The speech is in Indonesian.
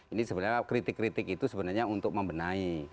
ini sebenarnya kritik kritik itu sebenarnya untuk membenahi